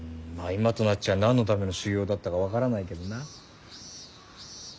今となっちゃ何のための修行だったか分からないけどな。